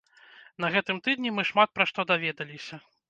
На гэтым тыдні мы шмат пра што даведаліся.